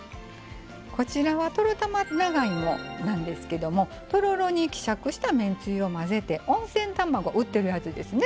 こちらはトロたま長芋なんですけどもとろろに希釈しためんつゆに混ぜて温泉卵、売ってるやつですね。